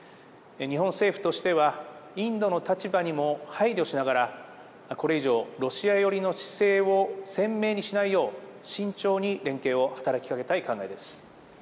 日本政府としては、インドの立場にも配慮しながら、これ以上、ロシア寄りの姿勢を鮮明にしないよう、慎重に連携を働きかけたい考えです。